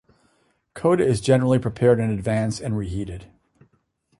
Coda is generally prepared in advance and reheated.